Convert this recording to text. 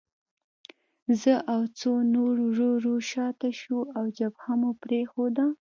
زه او څو نور ورو ورو شاته شوو او جبهه مو پرېښوده